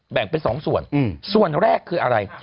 แบ่งเป็น๒ส่วนส่วนแรกคืออะไร